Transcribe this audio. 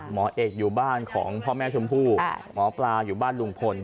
หมอเอกอยู่บ้านของพ่อแม่ชมพู่หมอปลาอยู่บ้านลุงพล